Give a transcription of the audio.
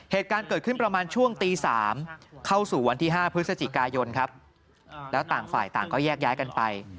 เหตุการณ์เกิดขึ้นประมาณช่วงตี๓เข้าสู่วันที่๕พฤศจิกายนครับแล้วต่างฝ่ายต่างก็แยกย้ายกันไป